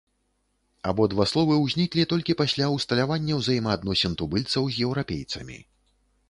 Абодва словы ўзніклі толькі пасля ўсталявання ўзаемаадносін тубыльцаў з еўрапейцамі.